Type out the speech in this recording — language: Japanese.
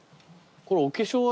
これお化粧は。